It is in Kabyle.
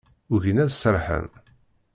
Ugin ad serrḥen.